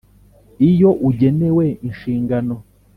Iyo ugenewe inshingano